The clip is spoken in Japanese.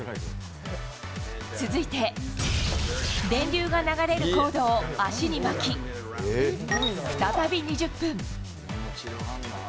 続いて、電流が流れるコードを足に巻き、再び２０分。